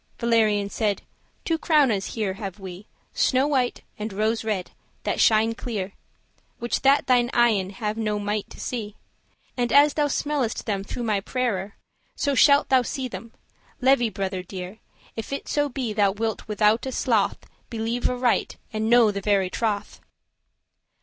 Valerian said, "Two crownes here have we, Snow white and rose red, that shine clear, Which that thine eyen have no might to see; And, as thou smellest them through my prayere, So shalt thou see them, leve* brother dear, *beloved If it so be thou wilt withoute sloth Believe aright, and know the very troth.